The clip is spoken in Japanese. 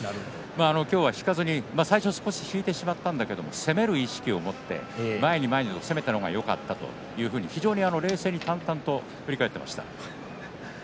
今日は引かずに最初は少し引いてしまったんだけれども攻める意識を持って前に前に攻めたのがよかったと非常に冷静に淡々と振り返っていました。